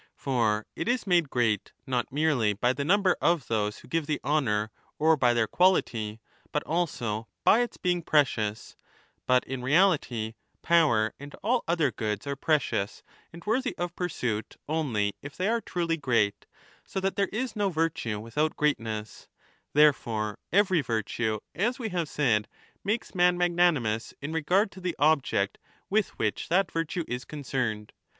For it is made great not merely by the number of 20 those who give the honour or by their quality, but also by its being precious ;^ but in reality, power and all other goods are precious and worthy of pursuit only if they are truly great, so that there is no virtue without greatness ; therefore every virtue, as we have said,^ makes man magnanimous in regard to the object with which that virtue is concerned.